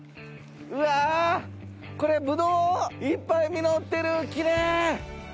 うわこれブドウいっぱい実ってるきれい。